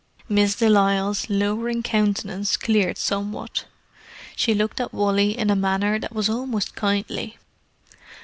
Miss de Lisle's lowering countenance cleared somewhat. She looked at Wally in a manner that was almost kindly.